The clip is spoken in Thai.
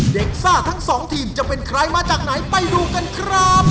ซ่าทั้งสองทีมจะเป็นใครมาจากไหนไปดูกันครับ